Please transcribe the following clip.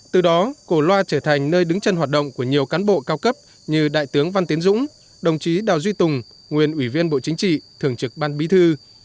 từ đó cổ loa trở thành nơi đứng chân hoạt động của nhiều cán bộ cao cấp như đại tướng văn tiến dũng đồng chí đào duy tùng nguyên ủy viên bộ chính trị thường trực ban bí thư